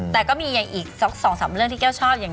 แต่ก็มีอย่างอีก๒๓เรื่องที่แก้วชอบอย่าง